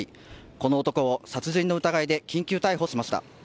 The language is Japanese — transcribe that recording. この男を殺人の疑いで緊急逮捕しました。